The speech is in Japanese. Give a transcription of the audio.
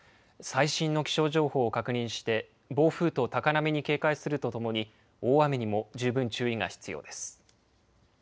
最新の気象情報を確認して、暴風と高波に警戒するとともに、大雨にも十分注意が必要です。